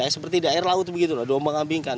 seperti di air laut begitu diombang ambingkan